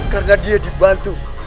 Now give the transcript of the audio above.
karena dia dibantu